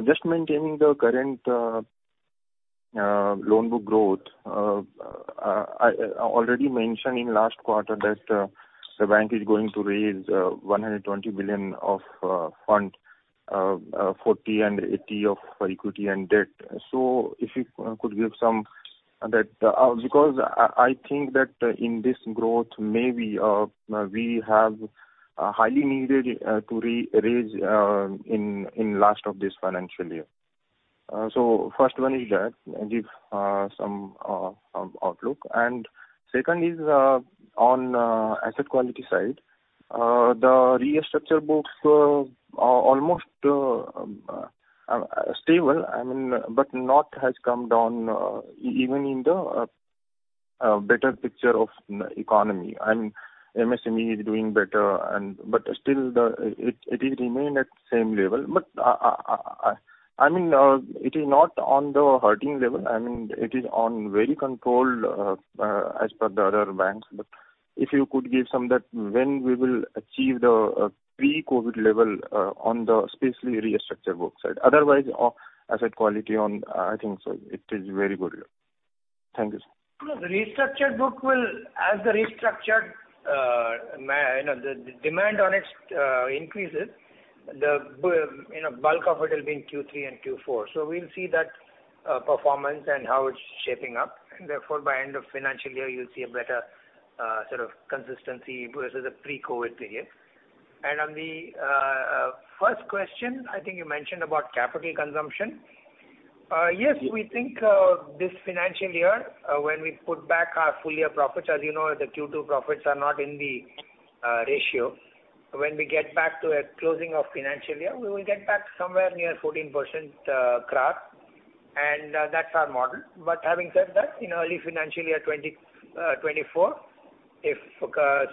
Just maintaining the current loan book growth, I already mentioned in last quarter that the bank is going to raise 120 billion of fund, 40 and 80 of equity and debt. If you could give some that. Because I think that in this growth, maybe we have a highly needed to re-raise in last of this financial year. First one is that, give some outlook. Second is on asset quality side, the restructured books are almost stable, I mean, but not has come down even in the better picture of the economy. I mean, MSME is doing better but still it is remained at same level. But I mean, it is not on the hurting level. I mean, it is on very controlled as per the other banks. But if you could give some that when we will achieve the pre-COVID level on the especially restructured book side. Otherwise, asset quality, I think so it is very good. Thank you, sir. No, the restructured book will, as the restructured, you know, the demand on it increases, you know, bulk of it will be in Q3 and Q4. We'll see that performance and how it's shaping up. Therefore by end of financial year, you'll see a better sort of consistency versus the pre-COVID period. On the first question, I think you mentioned about capital consumption. Yes, we think this financial year, when we put back our full-year profits, as you know, the Q2 profits are not in the ratio. When we get back to a closing of financial year, we will get back to somewhere near 14% CRAR, and that's our model. Having said that, in early financial year 2024, if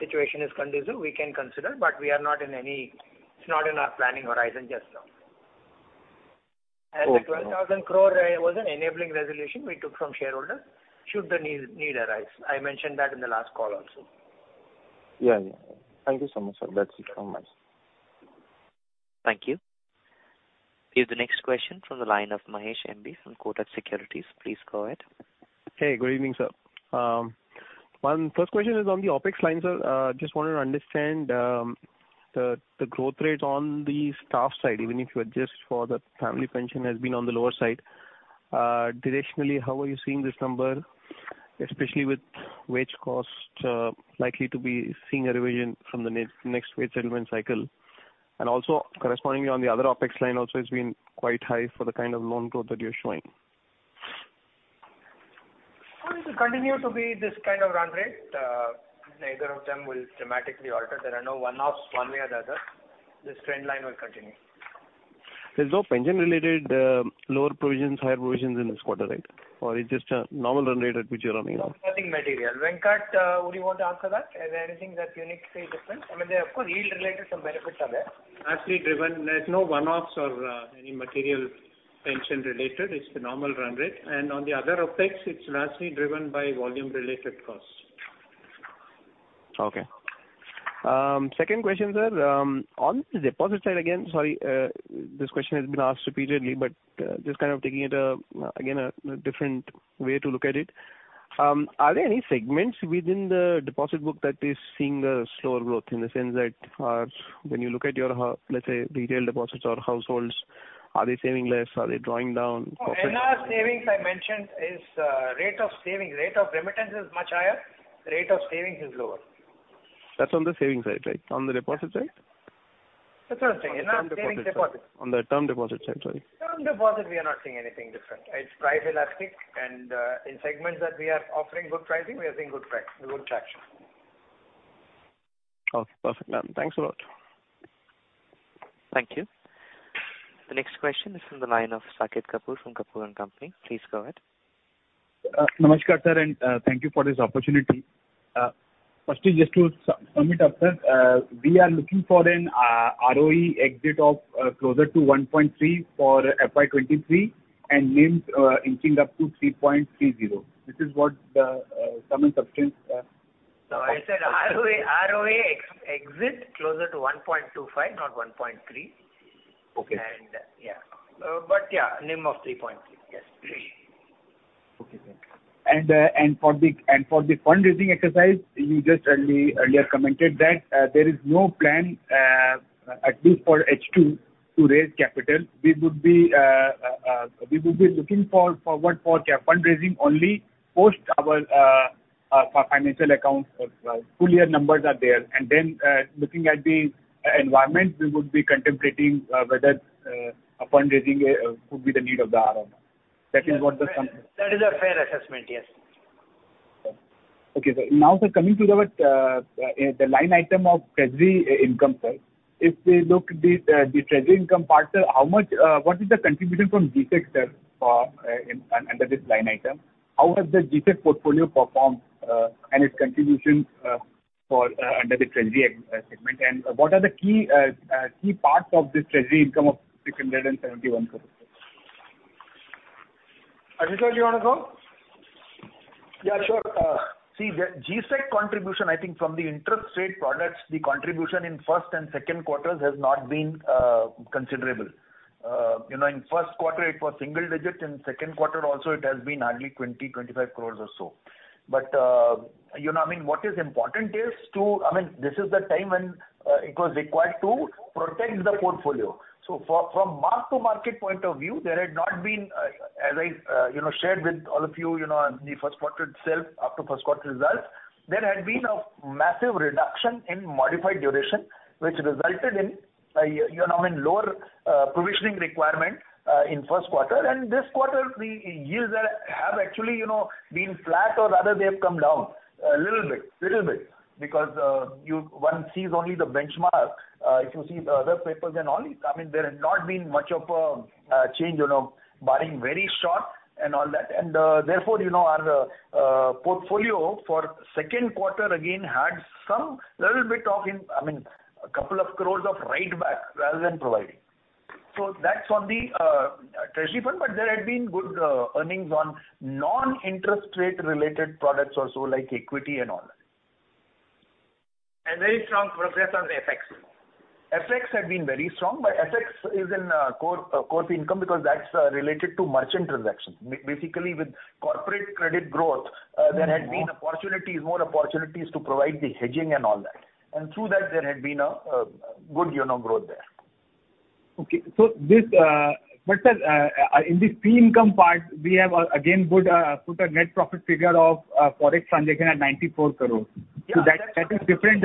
situation is conducive, we can consider, but we are not in any, it's not in our planning horizon just now. Okay. The 12,000 crore was an enabling resolution we took from shareholder should the need arise. I mentioned that in the last call also. Yeah, yeah. Thank you so much, sir. That's it from us. Thank you. Here's the next question from the line of M. B. Mahesh from Kotak Securities. Please go ahead. Hey, good evening, sir. My first question is on the OpEx line, sir. Just wanted to understand, the growth rate on the staff side, even if you adjust for the family pension has been on the lower side. Directionally, how are you seeing this number, especially with wage costs likely to be seeing a revision from the next wage settlement cycle? Correspondingly, on the other OpEx line also has been quite high for the kind of loan growth that you're showing. It will continue to be this kind of run rate. Neither of them will dramatically alter. There are no one-offs one way or the other. This trend line will continue. There's no pension related, lower provisions, higher provisions in this quarter, right? Or it's just a normal run rate at which you're running on? Nothing material. Venkat, would you want to answer that? Is there anything that's uniquely different? I mean, there, of course, yield-related, some benefits are there. Largely driven. There's no one-offs or any material pension related. It's the normal run rate. On the other OpEx, it's largely driven by volume related costs. Okay. Second question, sir. On the deposit side again, sorry, this question has been asked repeatedly, but just kind of taking it again, a different way to look at it. Are there any segments within the deposit book that is seeing a slower growth in the sense that, when you look at your, let's say, retail deposits or households, are they saving less? Are they drawing down? No, NR savings I mentioned is rate of savings. Rate of remittance is much higher. Rate of savings is lower. That's on the savings side, right? On the deposit side? That's what I'm saying. NR savings deposits. On the term deposit side, sorry. Term deposit, we are not seeing anything different. It's price elastic and, in segments that we are offering good pricing, we are seeing good traction. Okay, perfect, ma'am. Thanks a lot. Thank you. The next question is from the line of Saket Kapoor from Kapoor & Company. Please go ahead. Namaskar, sir, and thank you for this opportunity. Firstly, just to sum it up, sir, we are looking for an ROE exit of closer to 1.3 for FY 2023 and NIMs inching up to 3.30. This is what some of the substance. No, I said ROA ex-ECL closer to 1.25%, not 1.3%. Okay. Yeah, NIM of 3.3%, yes. Okay, thank you. For the fundraising exercise, you just earlier commented that there is no plan, at least for H2 to raise capital. We would be looking forward for capital fundraising only post our financial accounts, full-year numbers are there. Looking at the environment, we would be contemplating whether a fundraising would be the need of the hour or not. That is what the That is a fair assessment, yes. Okay, sir. Now, sir, coming to the line item of treasury income, sir. If we look at the treasury income part, sir, how much, what is the contribution from GSEC, sir, in under this line item? How has the GSEC portfolio performed, and its contribution, for under the treasury segment? What are the key parts of this treasury income of 671 crore? Ashutosh Khajuria Sir, do you wanna go? Yeah, sure. See the GSEC contribution, I think from the interest rate products, the contribution in first and second quarters has not been considerable. You know, in first quarter it was single digit. In second quarter also it has been hardly 25 crore or so. You know, I mean, what is important is I mean, this is the time when it was required to protect the portfolio. From mark-to-market point of view, there had not been, as I you know, shared with all of you know, on the first quarter itself, after first quarter results, there had been a massive reduction in modified duration, which resulted in a you know, I mean, lower provisioning requirement in first quarter. This quarter the yields are, have actually, you know, been flat or rather they have come down a little bit because one sees only the benchmark. If you see the other papers and all, I mean, there has not been much of a change, you know, barring very short and all that. Therefore, you know, our portfolio for second quarter again had some little bit of, I mean, INR a couple of crores of write back rather than providing. That's on the treasury fund. There had been good earnings on non-interest rate related products also like equity and all that. Very strong progress on FX. FX had been very strong, but FX is in core fee income because that's related to merchant transactions. Basically with corporate credit growth, there had been opportunities, more opportunities to provide the hedging and all that. Through that there had been a good, you know, growth there. Sir, in this fee income part, we have again good put a net profit figure of Forex transaction at 94 crore. Yeah. That is different.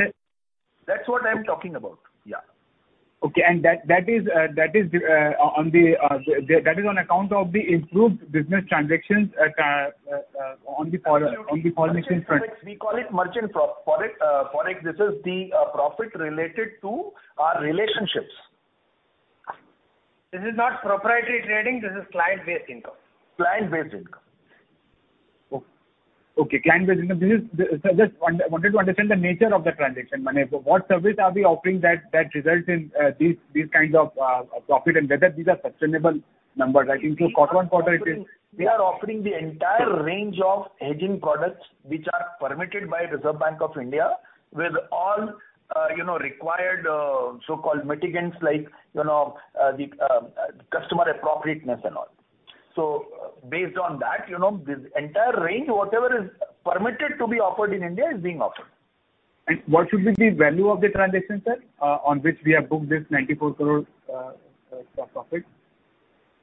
That's what I'm talking about. Yeah. Okay. That is on account of the improved business transactions on the foreign- Absolutely. On the foreign exchange front. We call it merchant Forex. This is the profit related to our relationships. This is not proprietary trading, this is client-based income. Client-based income. Okay, client-based income. Sir just wanted to understand the nature of the transaction. I mean, what service are we offering that results in these kinds of profit and whether these are sustainable numbers. I think through quarter on quarter it is. We are offering the entire range of hedging products which are permitted by Reserve Bank of India with all, you know, required, so-called mitigants like, you know, the, customer appropriateness and all. Based on that, you know, this entire range, whatever is permitted to be offered in India is being offered. What should be the value of the transaction, sir, on which we have booked this 94 crore profit?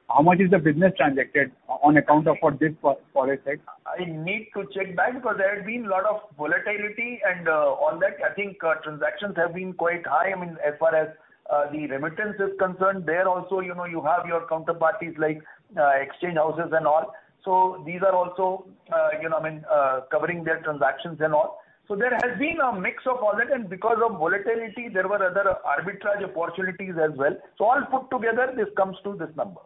How much is the business transacted on account of for this Forex hedge? I need to check that because there had been lot of volatility and all that. I think transactions have been quite high. I mean, as far as the remittance is concerned, there also, you know, you have your counterparties like exchange houses and all. These are also, you know, I mean, covering their transactions and all. There has been a mix of all that. Because of volatility, there were other arbitrage opportunities as well. All put together, this comes to this number.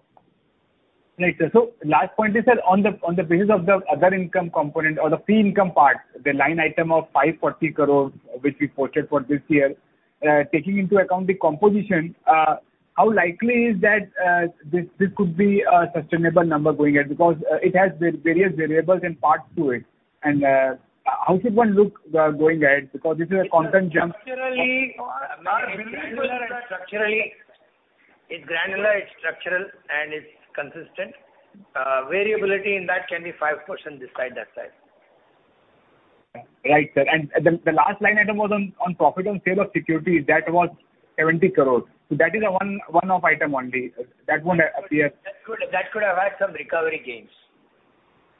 Right, sir. Last point is that on the basis of the other income component or the fee income part, the line item of 540 crores, which we posted for this year, taking into account the composition, how likely is that this could be a sustainable number going ahead? Because it has various variables and parts to it. How should one look going ahead? Because this is a constant jump. Structurally it's granular, it's structural and it's consistent. Variability in that can be 5% this side, that side. Right, sir. The last line item was on profit on sale of security. That was 70 crores. That is a one-off item only. That won't appear. That could have had some recovery gains.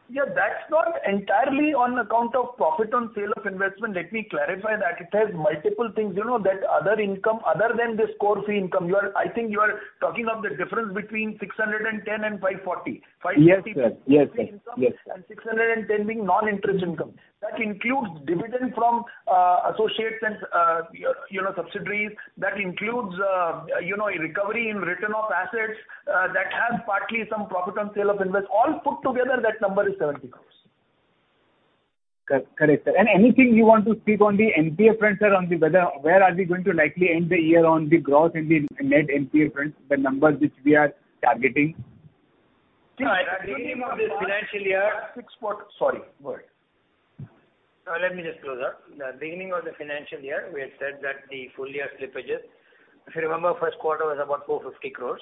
Yeah. That's not entirely on account of profit on sale of investment. Let me clarify that. It has multiple things. You know that other income other than this core fee income. You are. I think you are talking of the difference between 610 and 540. 540- Yes, sir. Yes, sir. Yes. 610 being non-interest income. That includes dividend from, associates and, you know, subsidiaries. That includes, you know, recovery in return of assets, that has partly some profit on sale of investments. All put together that number is 70 crore. Correct, sir. Anything you want to speak on the NPA front, sir, on whether where are we going to likely end the year on the gross and the net NPA front, the numbers which we are targeting? No, at the beginning of this financial year. Sorry, go ahead. Let me just close that. At the beginning of the financial year, we had said that the full-year slippages, if you remember, first quarter was about 450 crore.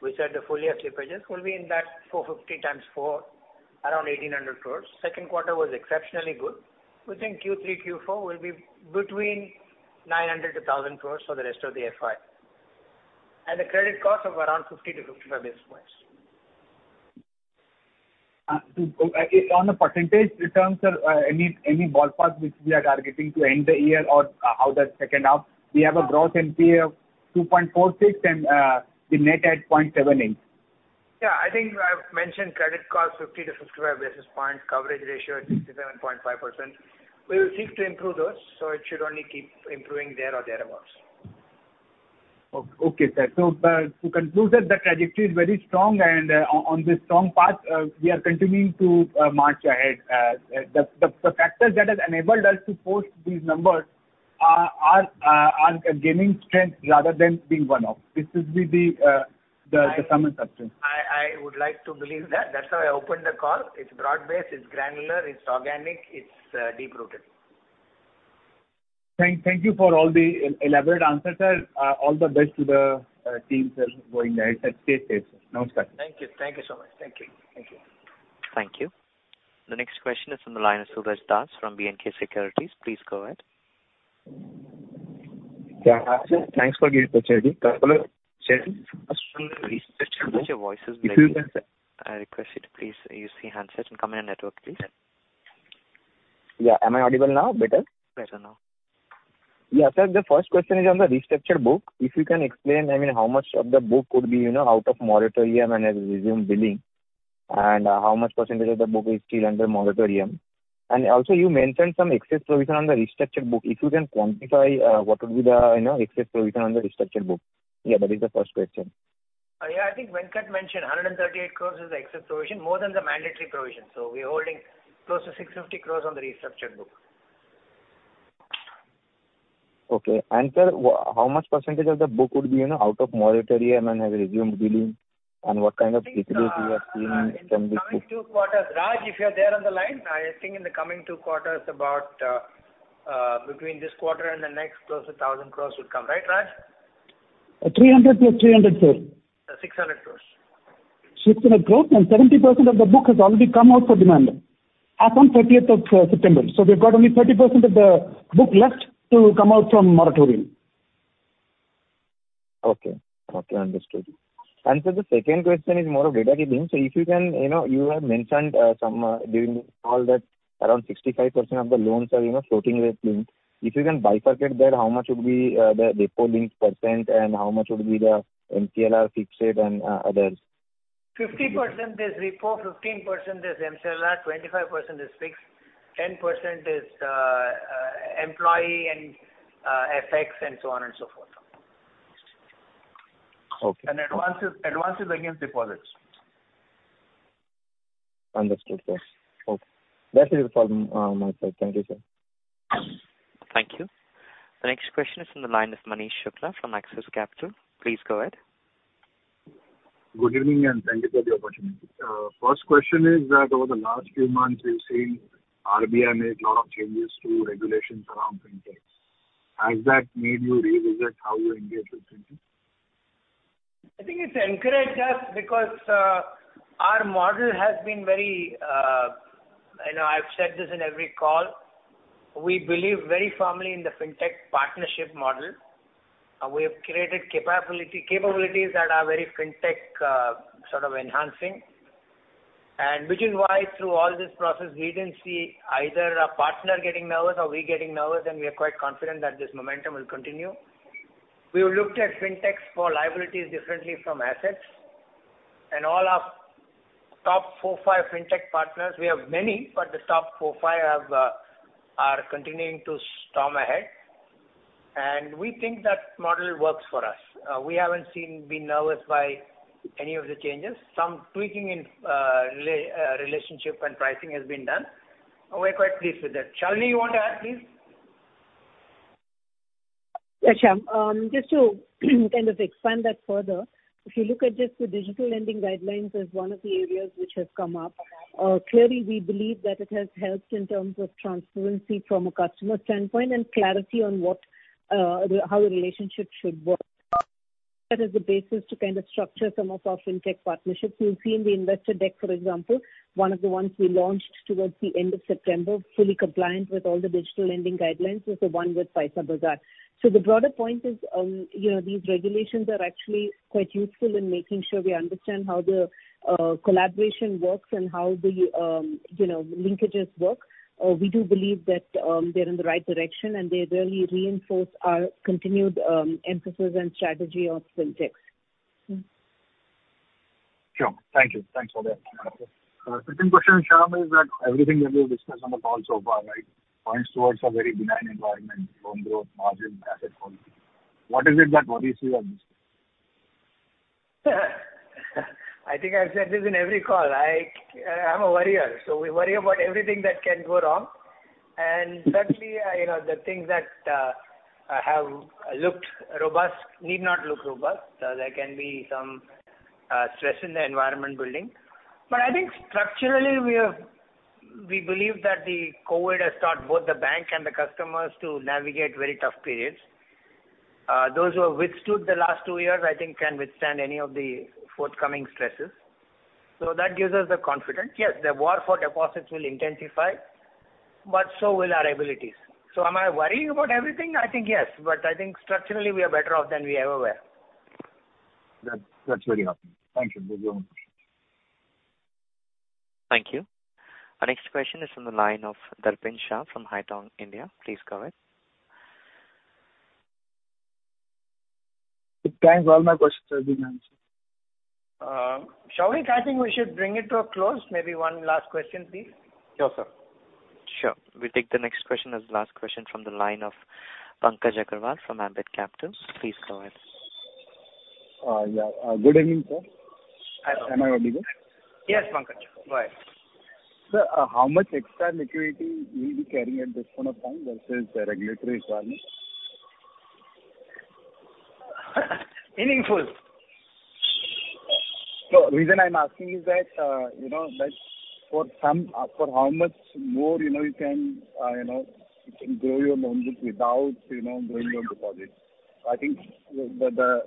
We said the full-year slippages will be in that 450x4, around 1,800 crore. Second quarter was exceptionally good. We think Q3, Q4 will be between 900 crore-1,000 crore for the rest of the FY. The credit cost of around 50 basis points-55 basis points. On a percentage return, sir, any ballpark which we are targeting to end the year or how that second half? We have a gross NPA of 2.46% and the net at 0.78%. Yeah, I think I've mentioned credit cost 50-55 basis points. Coverage ratio at 67.5%. We will seek to improve those, so it should only keep improving there or thereabouts. Okay, sir. To conclude, sir, the trajectory is very strong and on this strong path, we are continuing to march ahead. The factor that has enabled us to post these numbers are gaining strength rather than being one-off. This will be the summary substance. I would like to believe that. That's how I opened the call. It's broad-based, it's granular, it's organic, it's deep-rooted. Thank you for all the elaborate answers, sir. All the best to the team, sir, going ahead. Stay safe, sir. Namaskar. Thank you. Thank you so much. Thank you. Thank you. Thank you. The next question is from the line of Suraj Das from B&K Securities. Please go ahead. Yeah. Thanks for giving the opportunity. First of all Sir, your voice is breaking. I request you to please use the handset and come on network, please. Yeah. Am I audible now better? Better now. Sir, the first question is on the restructured book. If you can explain, I mean, how much of the book would be, you know, out of moratorium and has resumed billing, and how much percentage of the book is still under moratorium. Also, you mentioned some excess provision on the restructured book. If you can quantify, what would be the, you know, excess provision on the restructured book? Yeah. That is the first question. Yeah. I think Venkat mentioned 138 crores is the excess provision, more than the mandatory provision. We're holding close to 650 crores on the restructured book. Okay. Sir, how much percentage of the book would be, you know, out of moratorium and has resumed billing? What kind of we are seeing from this book? In the coming two quarters. Raj, if you're there on the line, I think in the coming two quarters about between this quarter and the next, close to 1,000 crore would come. Right, Raj? 300 plus 300, sir. 600 crores. 600 crore and 70% of the book has already come out of the moratorium as of 30th of September. We've got only 30% of the book left to come out from moratorium. Okay. Okay, understood. Sir, the second question is more of rate linking. You know, you have mentioned some during this call that around 65% of the loans are, you know, floating rate linked. If you can bifurcate that, how much would be the repo linked percent and how much would be the MCLR fixed rate and others? 50% is repo, 15% is MCLR, 25% is fixed, 10% is employee and FX and so on and so forth. Okay. Advances against deposits. Understood, yes. Okay. That is all from my side. Thank you, sir. Thank you. The next question is from the line of Manish Shukla from Axis Capital. Please go ahead. Good evening and thank you for the opportunity. First question is that over the last few months we've seen RBI make lot of changes to regulations around fintech. Has that made you revisit how you engage with fintech? I think it's encouraged us because our model has been very. You know, I've said this in every call. We believe very firmly in the fintech partnership model. We have created capability, capabilities that are very fintech sort of enhancing and which is why through all this process, we didn't see either our partner getting nervous or we getting nervous and we are quite confident that this momentum will continue. We've looked at fintechs for liabilities differently from assets. All our top four, five fintech partners, we have many, but the top four, five have are continuing to storm ahead and we think that model works for us. We haven't been nervous by any of the changes. Some tweaking in relationship and pricing has been done. We're quite pleased with that. Shalini, you want to add, please? Yeah, Shyam. Just to kind of expand that further. If you look at just the digital lending guidelines as one of the areas which has come up, clearly we believe that it has helped in terms of transparency from a customer standpoint and clarity on what, how a relationship should work. That is the basis to kind of structure some of our fintech partnerships. You'll see in the investor deck, for example, one of the ones we launched towards the end of September, fully compliant with all the digital lending guidelines is the one with PaisaBazaar. So the broader point is, you know, these regulations are actually quite useful in making sure we understand how the, collaboration works and how the, you know, linkages work. We do believe that they're in the right direction and they really reinforce our continued emphasis and strategy on fintechs. Sure. Thank you. Thanks for that. Second question, Shyam, is that everything that we've discussed on the call so far, right, points towards a very benign environment, loan growth, margin, asset quality. What is it that worries you on this? I think I've said this in every call. I'm a worrier, so we worry about everything that can go wrong. Certainly, you know, the things that have looked robust need not look robust. There can be some stress in the environment building. I think structurally we have, we believe that the COVID has taught both the bank and the customers to navigate very tough periods. Those who have withstood the last two years, I think can withstand any of the forthcoming stresses. That gives us the confidence. Yes, the war for deposits will intensify, but so will our abilities. Am I worrying about everything? I think yes. I think structurally we are better off than we ever were. That's very helpful. Thank you. These are my questions. Thank you. Our next question is from the line of Darpin Shah from Haitong India. Please go ahead. Thanks. All my questions have been answered. Souvik, I think we should bring it to a close. Maybe one last question, please. Sure, sir. Sure. We'll take the next question as the last question from the line of Pankaj Agarwal from Ambit Capital. Please go ahead. Yeah. Good evening, sir. Hello. Am I audible? Yes, Pankaj. Go ahead. Sir, how much extra liquidity you'll be carrying at this point of time versus the regulatory requirement? Meaningful. No. Reason I'm asking is that, you know, that for some, for how much more, you know, you can, you know, you can grow your loans without, you know, growing your deposits. I think the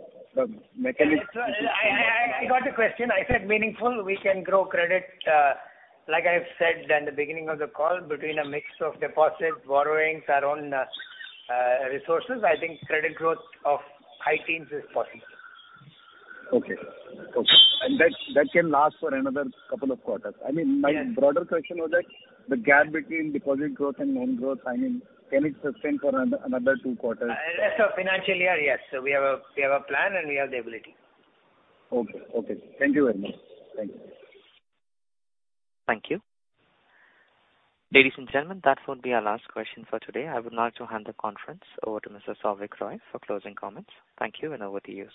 mechanics. Sir, I got your question. I said meaningful. We can grow credit, like I've said in the beginning of the call, between a mix of deposits, borrowings, our own, resources. I think credit growth of high teens is possible. Okay. That can last for another couple of quarters. I mean, my broader question was that the gap between deposit growth and loan growth. I mean, can it sustain for another two quarters? Rest of financial year, yes. We have a plan and we have the ability. Okay. Thank you very much. Thank you. Thank you. Ladies and gentlemen, that would be our last question for today. I would like to hand the conference over to Mr. Souvik Roy for closing comments. Thank you and over to you.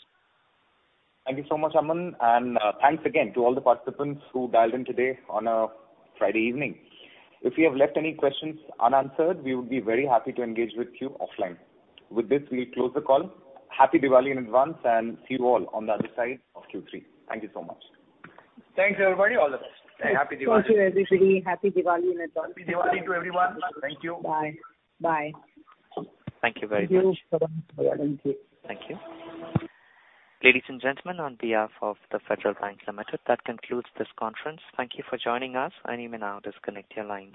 Thank you so much, Aman, and thanks again to all the participants who dialed in today on a Friday evening. If we have left any questions unanswered, we would be very happy to engage with you offline. With this, we'll close the call. Happy Diwali in advance and see you all on the other side of Q3. Thank you so much. Thanks everybody. All the best. Thank you everybody. Happy Diwali in advance. Happy Diwali to everyone. Thank you. Bye. Bye. Thank you very much. Thank you. Ladies and gentlemen, on behalf of The Federal Bank Limited, that concludes this conference. Thank you for joining us and you may now disconnect your lines.